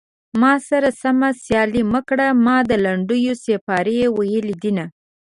ما سره سمه سيالي مه کړه ما د لنډيو سيپارې ويلي دينه